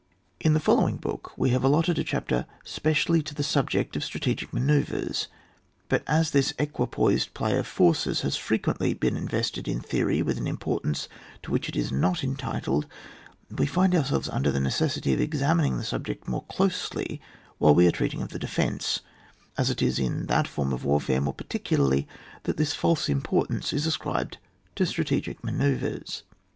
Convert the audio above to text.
In the following book we have allotted a chapter specially to the subject of stra tegic manoBuvres ; but as this equipoised play offerees has frequently been invested in theory with an importance to which it is not entitled, we find om selves under the necessity of examining the subject more closely while we are treating of the defence, as it is in that foi m of warfare more particularly that this false importance is ascribed to strategic man oeuvres.